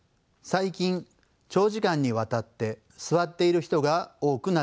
最近長時間にわたって座っている人が多くなっています。